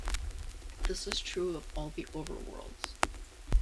This is true of all the overworlds.